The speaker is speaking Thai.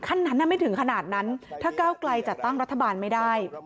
ขั้นนั้นไม่ถึงขนาดนั้นถ้าก้าวไกลจัดตั้งรัฐบาลไม่ได้